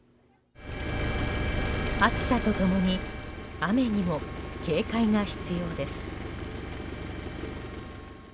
暑さと共に雨にも警戒が必要です。